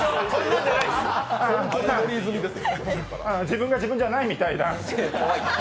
自分が自分じゃないみたいだ。